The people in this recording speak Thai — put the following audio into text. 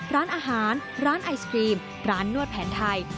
ร้านอาหารร้านไอศครีมร้านนวดแผนไทย